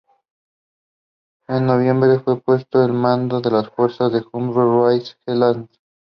En noviembre fue puesto al mando de las fuerzas en Hudson River Highlands.